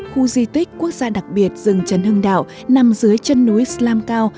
khu di tích quốc gia đặc biệt rừng trần hưng đạo nằm dưới chân núi slam cao